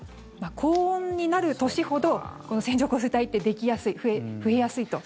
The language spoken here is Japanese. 高温になる年ほどこの線状降水帯ってできやすい、増えやすいと。